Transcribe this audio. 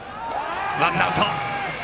ワンアウト。